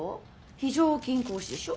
非常勤講師でしょ？